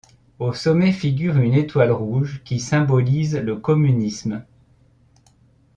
Au sommet figure une étoile rouge, qui symbolise le communisme.